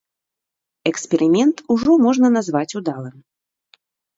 Эксперымент ўжо можна назваць удалым.